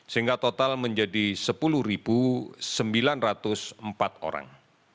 sehingga total menjadi sepuluh sembilan ratus empat orang